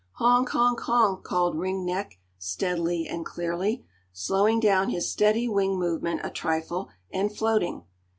"Honk, honk, honk," called Ring Neck steadily and clearly, slowing down his steady wing movement a trifle and floating.